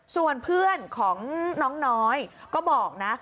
ส่วนเพื่อนของน้องน้อยก็บอกนะ